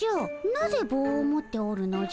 なぜぼうを持っておるのじゃ？